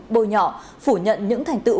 bôi nhọ phủ nhận những thành tựu